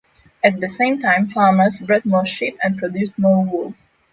At the same time farmers bred more sheep and produced more wool.